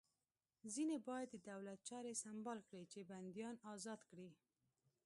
ځینې باید د دولت چارې سمبال کړي چې بندیان ازاد کړي